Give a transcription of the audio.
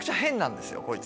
こいつ。